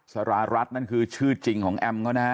สารารัฐนั่นคือชื่อจริงของแอมเขานะฮะ